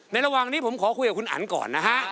ระหว่างนี้ผมขอคุยกับคุณอันก่อนนะฮะ